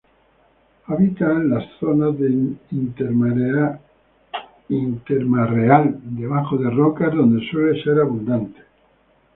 Habita en la zonas de intermareal, debajo de rocas, donde suele ser abundante.